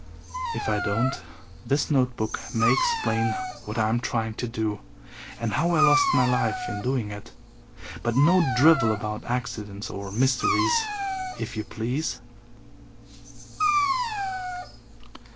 If I don't this note book may explain what I am trying to do, and how I lost my life in doing it. But no drivel about accidents or mysteries, if YOU please.